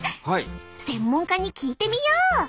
専門家に聞いてみよう！